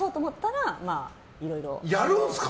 やるんですか？